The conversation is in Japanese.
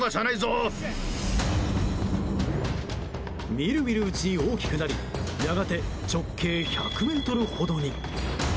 みるみるうちに大きくなりやがて直径１００ｍほどに。